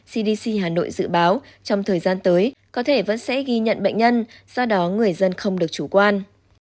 cdc hà nội dự báo trong thời gian tới có thể vẫn sẽ ghi nhận bệnh nhân do đó người dân không được chủ quan